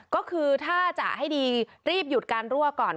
ก็คือถ้าจะให้ดีรีบหยุดการรั่วก่อน